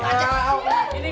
tentang bulan kuasa ini